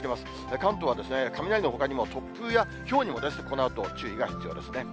関東は雷のほかにも、突風やひょうにもこのあと注意が必要ですね。